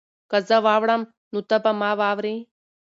که زه واوړم نو ته به ما واورې؟